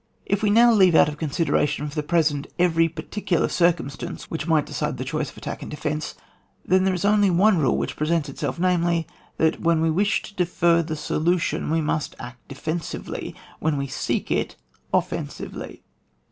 If we now leave out of considera tion for the present every particular cir cumstance which might decide the choice of attack and defence, then there is only one rule which presents itself — namely, that urAen we wish to defer the solution we must act deftnsively ; when we seek it, offensively.